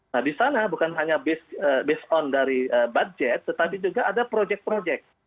nah di sana bukan hanya based on dari budget tetapi juga ada proyek proyek